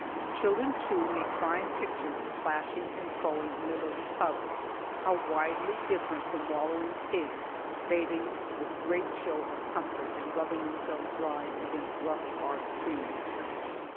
Children, too, make fine pictures plashing and crowing in their little tubs. How widely different from wallowing pigs, bathing with great show of comfort and rubbing themselves dry against rough barked trees!